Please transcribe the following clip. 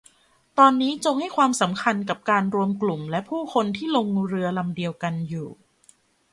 ตอนนี้จงให้ความสำคัญกับการรวมกลุ่มและผู้คนที่ลงเรือลำเดียวกันอยู่